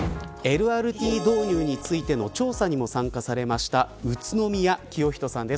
ＬＲＴ導入についての調査にも参加された宇都宮浄人さんです。